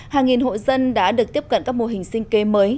hàng nghìn hội dân đã được tiếp cận các mô hình sinh kế mới